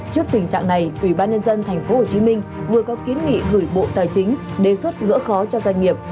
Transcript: trước tình trạng này ubnd tp hcm vừa có kiến nghị gửi bộ tài chính đề xuất gỡ khó cho doanh nghiệp